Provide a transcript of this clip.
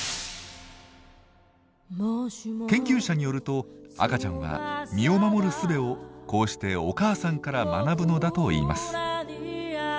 研究者によると赤ちゃんは身を守るすべをこうしてお母さんから学ぶのだといいます。